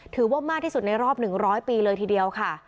ถือว่ามากที่สุดในรอบหนึ่งร้อยปีเลยทีเดียวค่ะ